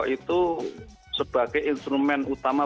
itu sebagai instrumen utama